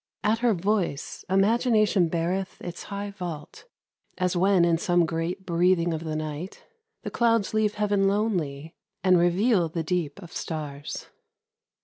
At her voice, Imagination bareth its high vault, As when, in some great breathing of the night, The clouds leave heaven lonely, and reveal The deep of stars.